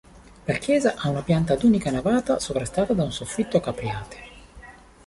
La chiesa ha una pianta ad unica navata sovrastata da un soffitto a capriate.